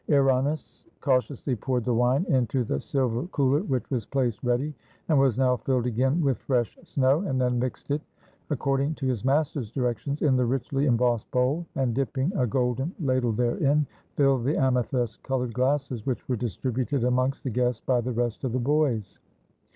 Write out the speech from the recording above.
Earinos cautiously poured the wine into the silver cooler, which was placed ready, and was now filled again with fresh snow, and then mixed it, according to his master's directions, in the richly embossed bowl, and dipping a golden ladle therein, filled the amethyst colored glasses, which were distrib uted amongst the guests by the rest of the boys.